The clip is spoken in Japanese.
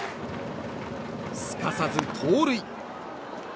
すかさず盗塁。